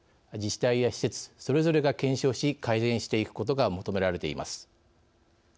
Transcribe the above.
自治体や施設、それぞれが検証し改善していくことが求められています。